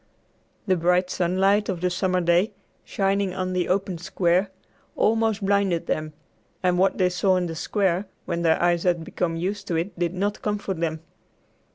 The bright sunlight of the summer day, shining on the open square, almost blinded them, and what they saw in the square, when their eyes had become used to it, did not comfort them.